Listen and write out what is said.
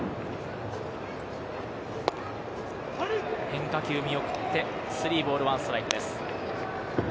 変化球見送って、３ボール１ストライクです。